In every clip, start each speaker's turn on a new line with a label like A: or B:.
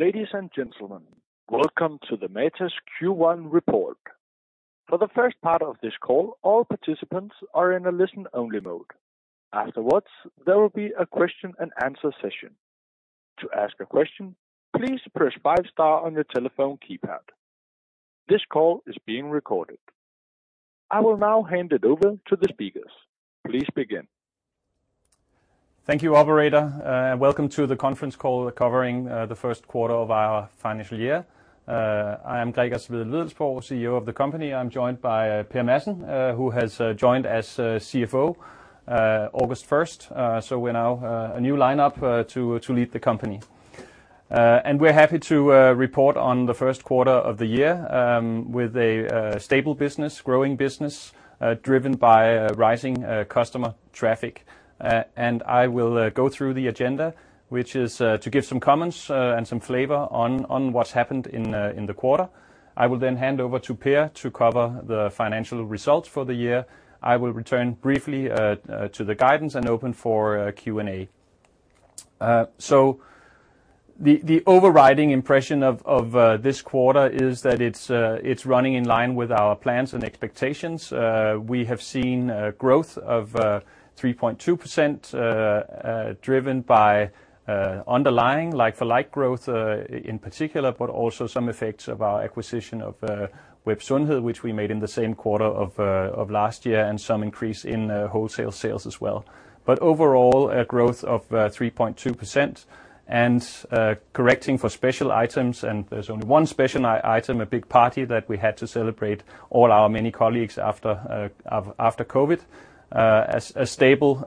A: Ladies and gentlemen, welcome to the Matas Q1 report. For the first part of this call, all participants are in a listen-only mode. Afterwards, there will be a question and answer session. To ask a question, please press five star on your telephone keypad. This call is being recorded. I will now hand it over to the speakers. Please begin.
B: Thank you, operator, welcome to the conference call covering the first quarter of our financial year. I am Gregers Wedell-Wedellsborg, CEO of the company. I'm joined by Per Madsen, who has joined as CFO August first. We're now a new lineup to lead the company. We're happy to report on the first quarter of the year with a stable business, growing business driven by rising customer traffic. I will go through the agenda, which is to give some comments and some flavor on what's happened in the quarter. I will then hand over to Per to cover the financial results for the year. I will return briefly to the guidance and open for Q&A. The overriding impression of this quarter is that it's running in line with our plans and expectations. We have seen growth of 3.2% driven by underlying like-for-like growth in particular, but also some effects of our acquisition of Web Sundhed, which we made in the same quarter of last year, and some increase in wholesale sales as well. Overall, a growth of 3.2% and correcting for special items, and there's only one special item, a big party that we had to celebrate all our many colleagues after COVID, a stable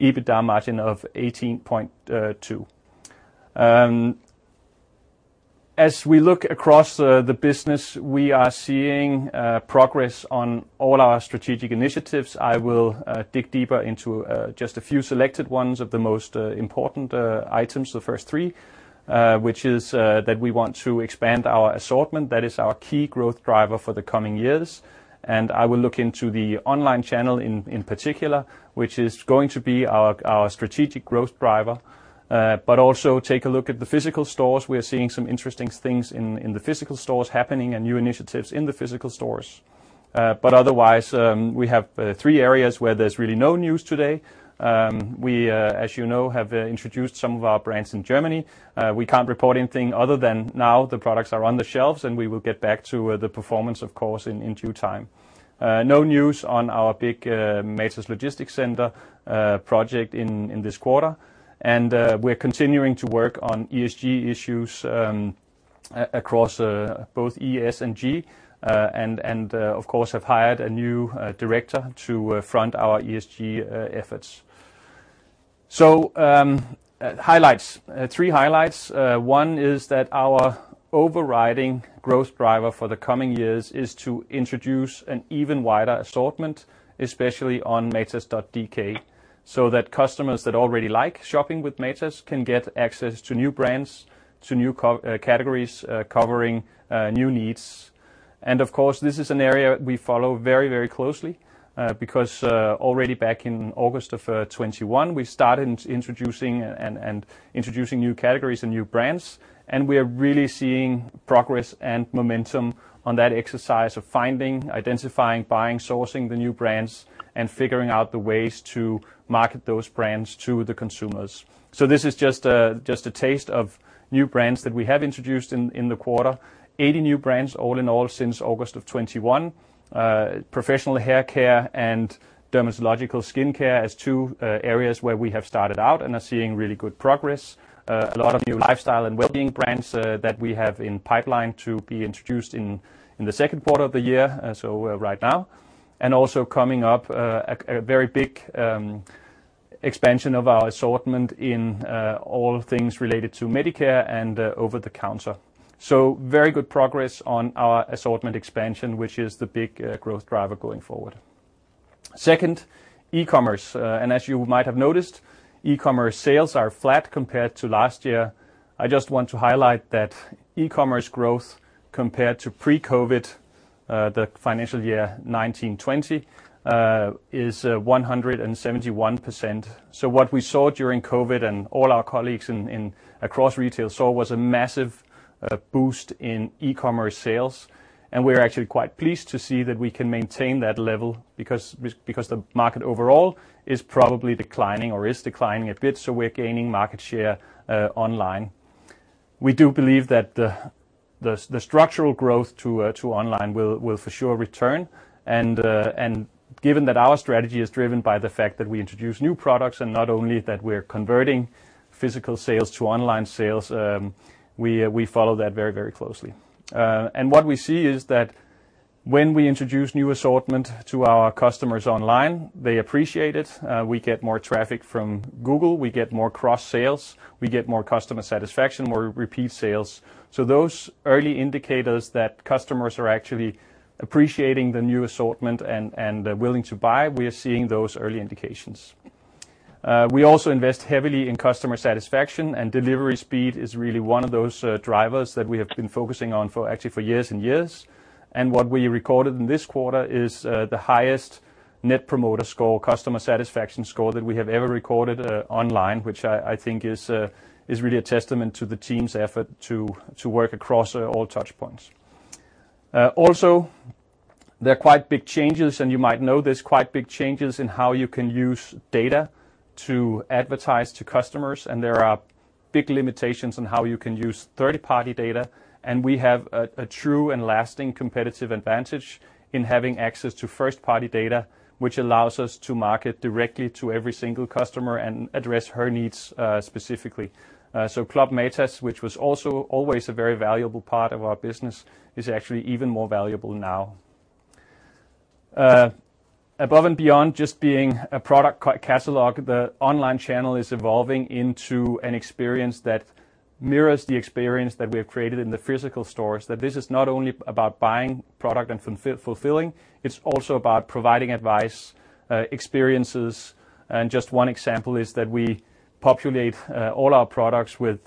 B: EBITDA margin of 18.2%. As we look across the business, we are seeing progress on all our strategic initiatives. I will dig deeper into just a few selected ones of the most important items, the first three, which is that we want to expand our assortment. That is our key growth driver for the coming years. I will look into the online channel in particular, which is going to be our strategic growth driver, but also take a look at the physical stores. We are seeing some interesting things in the physical stores happening and new initiatives in the physical stores. Otherwise, we have three areas where there's really no news today. We, as you know, have introduced some of our brands in Germany. We can't report anything other than now the products are on the shelves, and we will get back to the performance of course, in due time. No news on our big Matas Logistics Center project in this quarter. We're continuing to work on ESG issues across both ES and G, and of course, have hired a new director to front our ESG efforts. Highlights. Three highlights. One is that our overriding growth driver for the coming years is to introduce an even wider assortment, especially on matas.dk, so that customers that already like shopping with Matas can get access to new brands, to new categories, covering new needs. Of course, this is an area we follow very, very closely, because already back in August 2021, we started introducing new categories and new brands, and we are really seeing progress and momentum on that exercise of finding, identifying, buying, sourcing the new brands and figuring out the ways to market those brands to the consumers. This is just a taste of new brands that we have introduced in the quarter. 80 new brands all in all since August 2021. Professional hair care and dermatological skincare as two areas where we have started out and are seeing really good progress. A lot of new lifestyle and wellbeing brands that we have in pipeline to be introduced in the second quarter of the year, right now. Also coming up, a very big expansion of our assortment in all things related to medicine and over-the-counter. Very good progress on our assortment expansion, which is the big growth driver going forward. Second, e-commerce. As you might have noticed, e-commerce sales are flat compared to last year. I just want to highlight that e-commerce growth compared to pre-COVID, the financial year 2019-2020, is 171%. What we saw during COVID and all our colleagues in across retail saw was a massive boost in e-commerce sales, and we're actually quite pleased to see that we can maintain that level because the market overall is probably declining or is declining a bit. We're gaining market share online. We do believe that the structural growth to online will for sure return. Given that our strategy is driven by the fact that we introduce new products and not only that we're converting physical sales to online sales, we follow that very closely. What we see is that when we introduce new assortment to our customers online, they appreciate it. We get more traffic from Google. We get more cross sales. We get more customer satisfaction, more repeat sales. Those early indicators that customers are actually appreciating the new assortment and are willing to buy, we are seeing those early indications. We also invest heavily in customer satisfaction, and delivery speed is really one of those drivers that we have been focusing on for actually years and years. What we recorded in this quarter is the highest Net Promoter Score, customer satisfaction score that we have ever recorded online, which I think is really a testament to the team's effort to work across all touchpoints. Also, there are quite big changes, and you might know this, quite big changes in how you can use data to advertise to customers, and there are big limitations on how you can use third-party data, and we have a true and lasting competitive advantage in having access to first-party data, which allows us to market directly to every single customer and address her needs specifically. Club Matas, which was also always a very valuable part of our business, is actually even more valuable now. Above and beyond just being a product catalog, the online channel is evolving into an experience that mirrors the experience that we have created in the physical stores, that this is not only about buying product and fulfilling, it's also about providing advice, experiences, and just one example is that we populate all our products with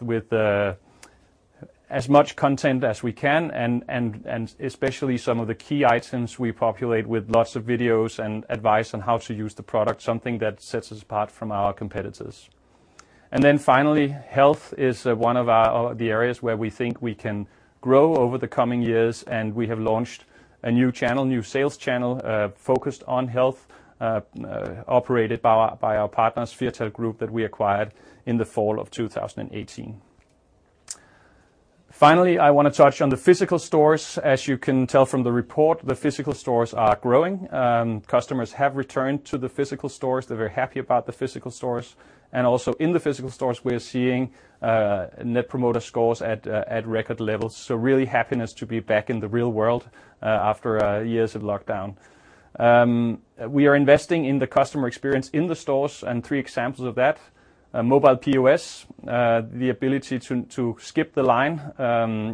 B: as much content as we can and especially some of the key items we populate with lots of videos and advice on how to use the product, something that sets us apart from our competitors. Then finally, health is one of our. the areas where we think we can grow over the coming years, and we have launched a new channel, new sales channel, focused on health, operated by our partners, Firtal Group, that we acquired in the fall of 2018. Finally, I wanna touch on the physical stores. As you can tell from the report, the physical stores are growing. Customers have returned to the physical stores. They're very happy about the physical stores. Also in the physical stores, we're seeing Net Promoter Scores at record levels. Real happiness to be back in the real world after years of lockdown. We are investing in the customer experience in the stores, and three examples of that, mobile POS, the ability to skip the line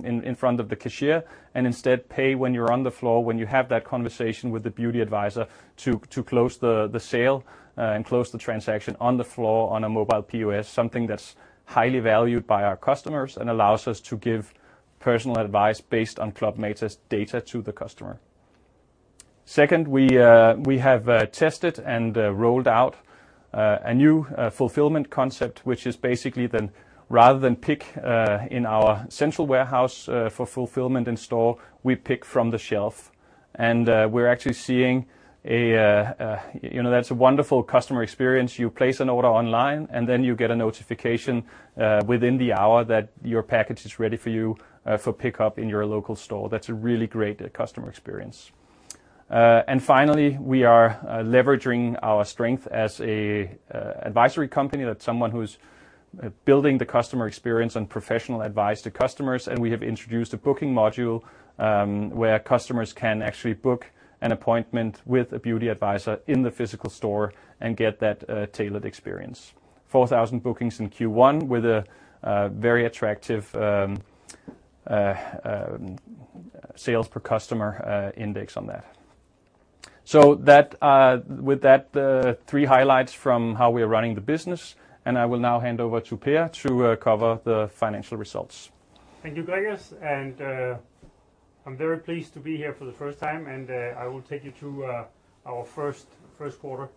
B: in front of the cashier and instead pay when you're on the floor, when you have that conversation with the beauty advisor to close the sale and close the transaction on the floor on a mobile POS, something that's highly valued by our customers and allows us to give personal advice based on Club Matas data to the customer. Second, we have tested and rolled out a new fulfillment concept, which is basically then rather than pick in our central warehouse for fulfillment in store, we pick from the shelf, and we're actually seeing a wonderful customer experience. You know, that's a wonderful customer experience. You place an order online, and then you get a notification within the hour that your package is ready for you for pickup in your local store. That's a really great customer experience. Finally, we are leveraging our strength as an advisory company that someone who's building the customer experience and professional advice to customers, and we have introduced a booking module where customers can actually book an appointment with a beauty advisor in the physical store and get that tailored experience. 4,000 bookings in Q1 with a very attractive sales per customer index on that. With that, the three highlights from how we are running the business, and I will now hand over to Per to cover the financial results.
C: Thank you, Gregers. I'm very pleased to be here for the first time, and I will take you through our first quarter.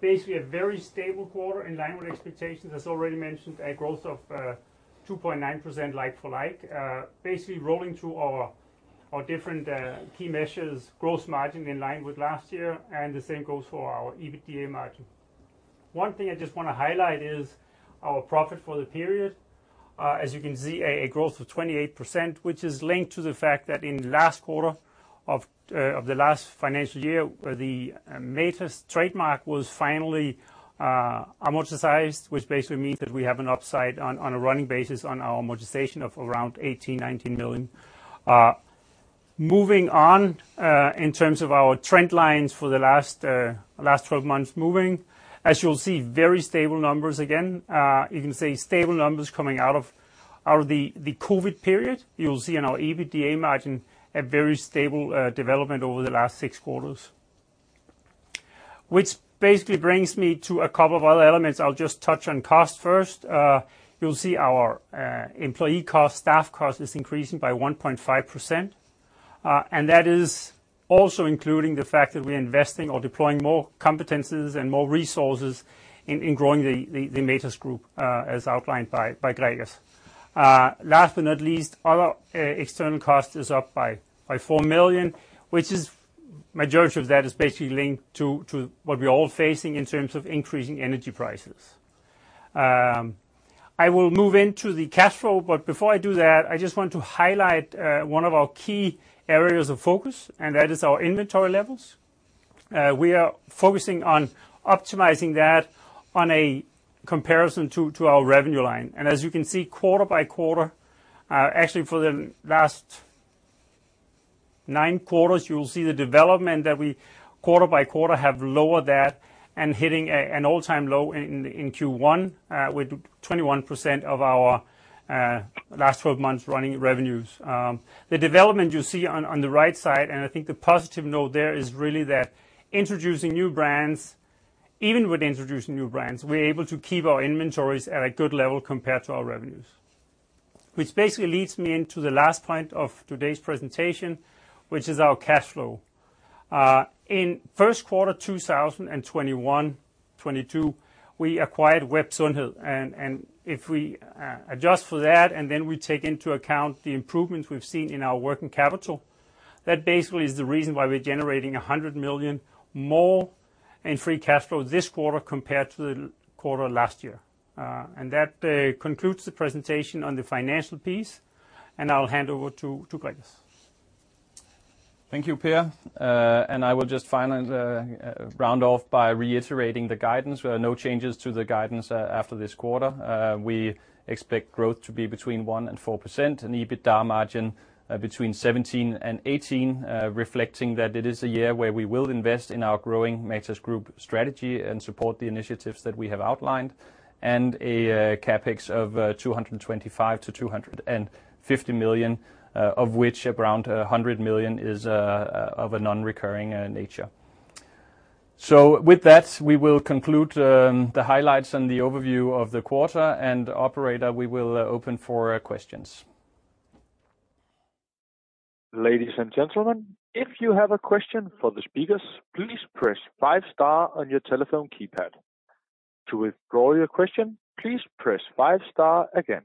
C: Basically a very stable quarter in line with expectations. As already mentioned, a growth of 2.9% like-for-like. Basically rolling through our different key measures, gross margin in line with last year, and the same goes for our EBITDA margin. One thing I just wanna highlight is our profit for the period. As you can see, a growth of 28%, which is linked to the fact that in last quarter of the last financial year, the Matas trademark was finally amortized, which basically means that we have an upside on a running basis on our amortization of around 18-19 million. Moving on, in terms of our trend lines for the last 12 months moving, as you'll see, very stable numbers again. You can say stable numbers coming out of the COVID period. You'll see in our EBITDA margin a very stable development over the last 6 quarters. Which basically brings me to a couple of other elements. I'll just touch on cost first. You'll see our employee cost, staff cost is increasing by 1.5%, and that is also including the fact that we're investing or deploying more competences and more resources in growing the Matas Group, as outlined by Gregers. Last but not least, our external cost is up by 4 million, which is. Majority of that is basically linked to what we're all facing in terms of increasing energy prices. I will move into the cash flow, but before I do that, I just want to highlight one of our key areas of focus, and that is our inventory levels. We are focusing on optimizing that on a comparison to our revenue line. As you can see quarter by quarter, actually for the last nine quarters, you will see the development that we quarter by quarter have lowered that and hitting an all-time low in Q1 with 21% of our last 12 months running revenues. The development you see on the right side, and I think the positive note there, is really that introducing new brands, even with introducing new brands, we're able to keep our inventories at a good level compared to our revenues. Which basically leads me into the last point of today's presentation, which is our cash flow. In first quarter 2021-22, we acquired WebSundhed. If we adjust for that, and then we take into account the improvements we've seen in our working capital, that basically is the reason why we're generating 100 million more in free cash flow this quarter compared to the quarter last year. That concludes the presentation on the financial piece. I'll hand over to Gregers.
B: Thank you, Per. I will just finally round off by reiterating the guidance. There are no changes to the guidance after this quarter. We expect growth to be between 1% and 4%, and EBITDA margin between 17% and 18%, reflecting that it is a year where we will invest in our growing Matas Group strategy and support the initiatives that we have outlined, and CapEx of 225 million-250 million, of which around 100 million is of a non-recurring nature. With that, we will conclude the highlights and the overview of the quarter. Operator, we will open for questions.
A: Ladies and gentlemen, if you have a question for the speakers, please press five star on your telephone keypad. To withdraw your question, please press five star again.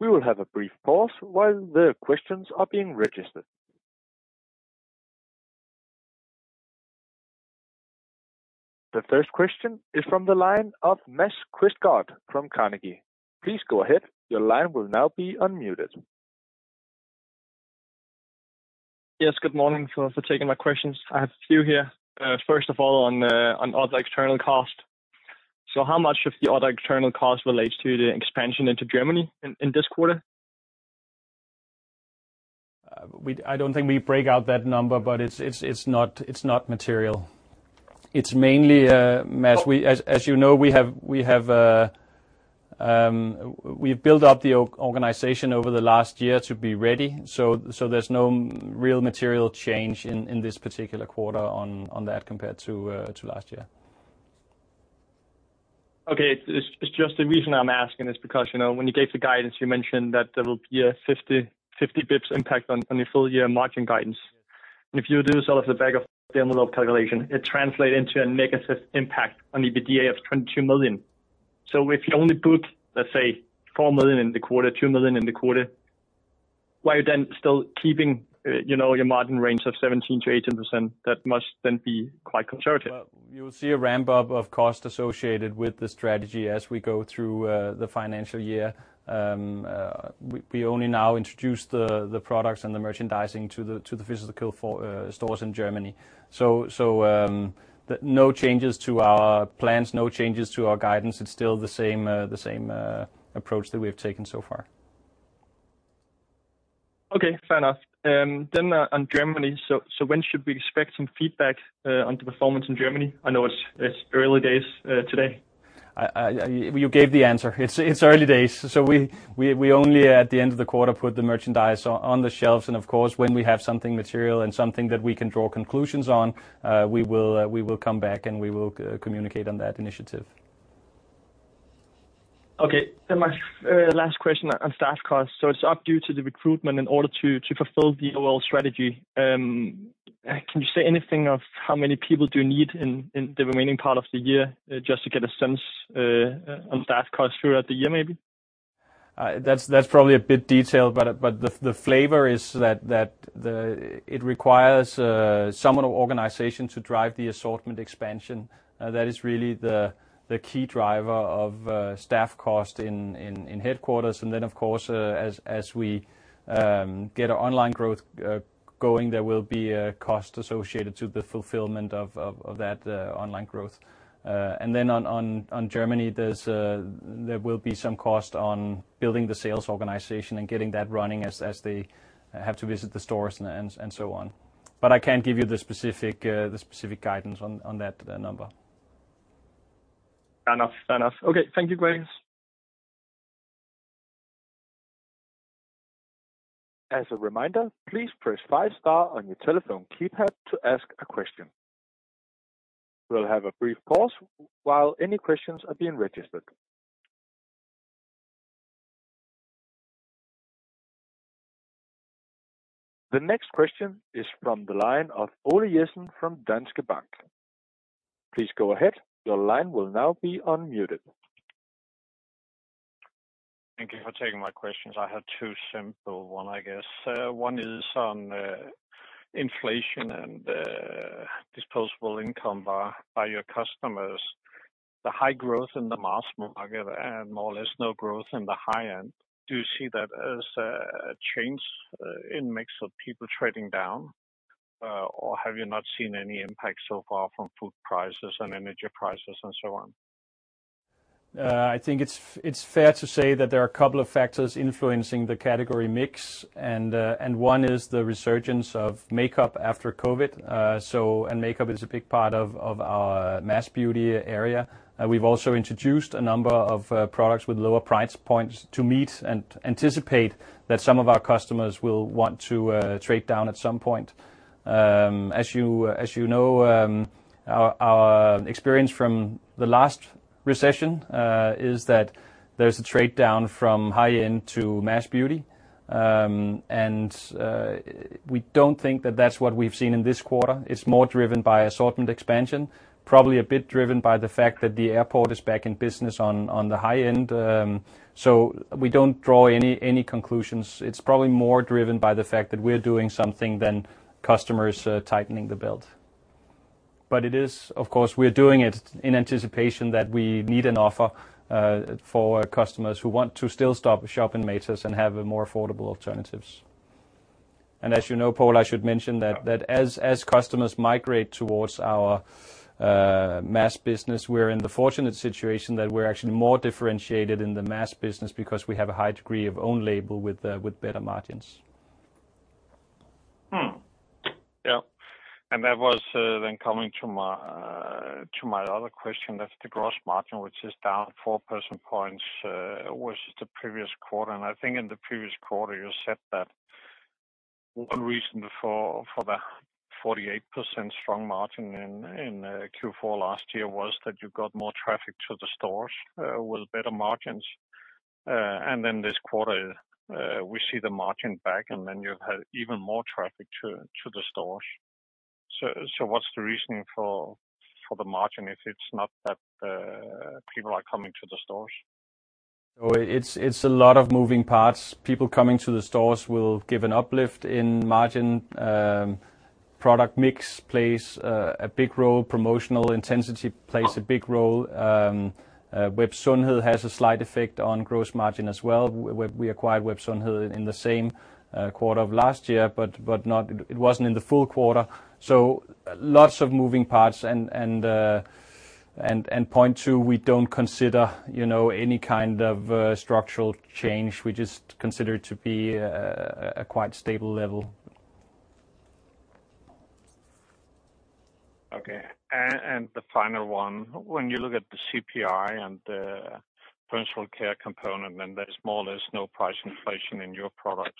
A: We will have a brief pause while the questions are being registered. The first question is from the line of Mads Quistgaard from Carnegie. Please go ahead. Your line will now be unmuted.
D: Yes. Good morning, thank you for taking my questions. I have a few here. First of all, on other external cost. How much of the other external cost relates to the expansion into Germany in this quarter?
B: I don't think we break out that number, but it's not material. It's mainly Mads-
D: Oh
B: As you know, we have built up the organization over the last year to be ready. There's no real material change in this particular quarter on that compared to last year.
D: Okay. It's just the reason I'm asking is because, you know, when you gave the guidance, you mentioned that there will be a 50 bps impact on your full-year margin guidance. If you do sort of the back-of-the-envelope calculation, it translate into a negative impact on EBITDA of 22 million. If you only put, let's say, 4 million in the quarter, 2 million in the quarter, while you're then still keeping, you know, your margin range of 17%-18%, that must then be quite conservative.
B: Well, you'll see a ramp-up of cost associated with the strategy as we go through the financial year. We only now introduced the products and the merchandising to the physical stores in Germany. No changes to our plans, no changes to our guidance. It's still the same approach that we have taken so far.
D: Okay. Fair enough. On Germany, when should we expect some feedback on the performance in Germany? I know it's early days today.
B: You gave the answer. It's early days. We only at the end of the quarter put the merchandise on the shelves. Of course, when we have something material and something that we can draw conclusions on, we will come back and we will communicate on that initiative.
D: Okay. My last question on staff costs. It's up to you to the recruitment in order to to fulfill the overall strategy. Can you say anything of how many people do you need in the remaining part of the year just to get a sense on staff costs throughout the year, maybe?
B: That's probably a bit detailed, but the flavor is that it requires somewhat of organization to drive the assortment expansion. That is really the key driver of staff cost in headquarters. Then of course, as we get our online growth going, there will be a cost associated to the fulfillment of that online growth. Then on Germany, there will be some cost on building the sales organization and getting that running as they have to visit the stores and so on. I can't give you the specific guidance on that number.
D: Fair enough. Okay. Thank you, Gregers.
A: As a reminder, please press five star on your telephone keypad to ask a question. We'll have a brief pause while any questions are being registered. The next question is from the line of Ole Jessen from Danske Bank. Please go ahead. Your line will now be unmuted.
E: Thank you for taking my questions. I have two simple one, I guess. One is on inflation and disposable income by your customers. The high growth in the mass market and more or less no growth in the high end. Do you see that as a change in mix of people trading down, or have you not seen any impact so far from food prices and energy prices and so on?
B: I think it's fair to say that there are a couple of factors influencing the category mix, and one is the resurgence of makeup after COVID. Makeup is a big part of our mass beauty area. We've also introduced a number of products with lower price points to meet and anticipate that some of our customers will want to trade down at some point. As you know, our experience from the last recession is that there's a trade-down from high-end to mass beauty. We don't think that that's what we've seen in this quarter. It's more driven by assortment expansion, probably a bit driven by the fact that the airport is back in business on the high end. We don't draw any conclusions. It's probably more driven by the fact that we're doing something than customers tightening the belt. It is, of course, we're doing it in anticipation that we need an offer for customers who want to still shop in Matas and have a more affordable alternatives. As you know, Ole, I should mention that-
E: Yeah.
B: As customers migrate towards our mass business, we're in the fortunate situation that we're actually more differentiated in the mass business because we have a high degree of own label with better margins.
E: That was then coming to my other question. That's the gross margin, which is down four percentage points versus the previous quarter. I think in the previous quarter, you said that one reason for the 48% strong margin in Q4 last year was that you got more traffic to the stores with better margins. Then this quarter, we see the margin back, and then you've had even more traffic to the stores. What's the reasoning for the margin if it's not that people are coming to the stores?
B: It's a lot of moving parts. People coming to the stores will give an uplift in margin. Product mix plays a big role. Promotional intensity plays a big role. WebSundhed has a slight effect on gross margin as well. We acquired WebSundhed in the same quarter of last year, but it wasn't in the full quarter. Lots of moving parts and 0.2, we don't consider, you know, any kind of structural change. We just consider it to be a quite stable level.
E: And the final one, when you look at the CPI and the personal care component, then there is more or less no price inflation in your products.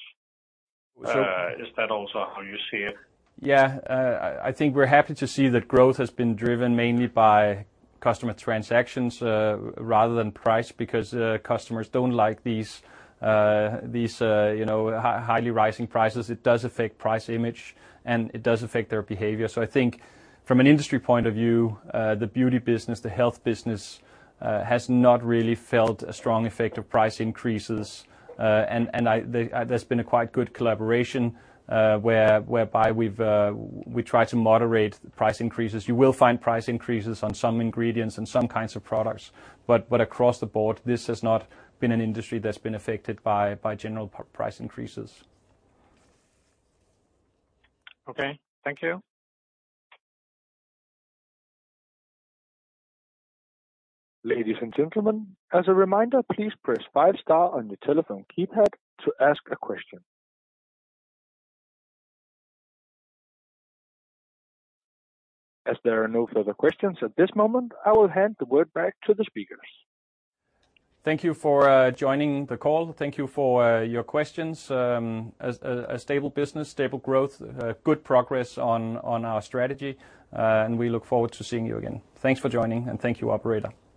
B: So
E: Is that also how you see it?
B: Yeah. I think we're happy to see that growth has been driven mainly by customer transactions, rather than price because, customers don't like these, you know, highly rising prices. It does affect price image, and it does affect their behavior. I think from an industry point of view, the beauty business, the health business, has not really felt a strong effect of price increases. There's been a quite good collaboration whereby we try to moderate price increases. You will find price increases on some ingredients and some kinds of products, but across the board, this has not been an industry that's been affected by general price increases.
E: Okay. Thank you.
A: Ladies and gentlemen, as a reminder, please press five star on your telephone keypad to ask a question. As there are no further questions at this moment, I will hand the word back to the speakers.
B: Thank you for joining the call. Thank you for your questions. A stable business, stable growth, good progress on our strategy, and we look forward to seeing you again. Thanks for joining, and thank you, operator.